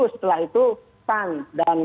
setelah itu pan dan